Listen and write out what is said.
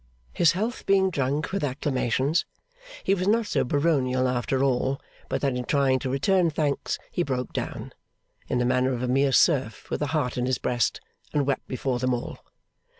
His health being drunk with acclamations, he was not so baronial after all but that in trying to return thanks he broke down, in the manner of a mere serf with a heart in his breast, and wept before them all.